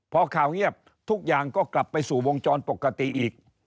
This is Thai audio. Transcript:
พอข่าวเงียบทุกอย่างก็กลับไปสู่วงจรปกติอีก